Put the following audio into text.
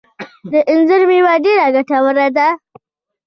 د انځر مېوه ډیره ګټوره ده